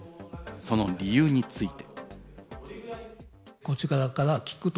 その理由について。